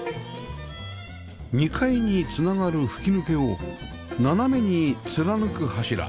２階に繋がる吹き抜けを斜めに貫く柱